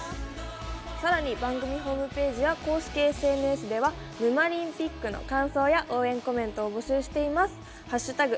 さらに番組ホームページや公式ＳＮＳでは「ヌマリンピック」の感想や応援コメントを募集しています。